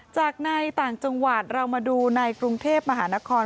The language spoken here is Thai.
จากในต่างจังหวัดเรามาดูในกรุงเทพมหานคร